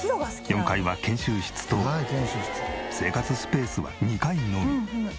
４階は研修室と生活スペースは２階のみ。